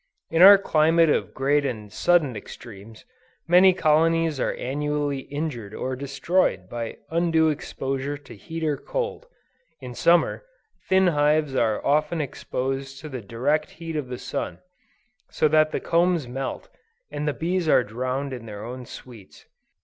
In our climate of great and sudden extremes, many colonies are annually injured or destroyed by undue exposure to heat or cold. In Summer, thin hives are often exposed to the direct heat of the sun, so that the combs melt, and the bees are drowned in their own sweets.